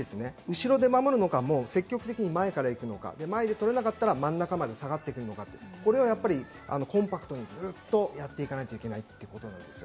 後ろで守るのか、積極的に前から行くのか、前で取れなかったら真ん中まで下がるのか、コンパクトにずっとやっていかないといけないってことです。